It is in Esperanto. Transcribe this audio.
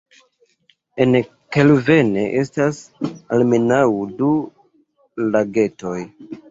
En Kelvenne estas almenaŭ du lagetoj.